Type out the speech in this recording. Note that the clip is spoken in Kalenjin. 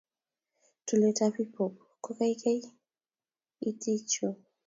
tulet ap hiphop kokaikaii itik chuu